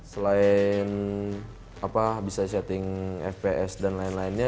selain bisa setting fps dan lain lainnya